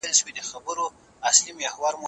څنګه مجرمین بیرته خپل هېواد ته سپارل کیږي؟